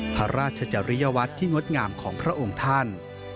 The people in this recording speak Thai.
พระราชจริยวัตรที่งดงามของพระองค์ท่าน